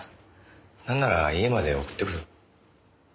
なんなら家まで送ってくぞ。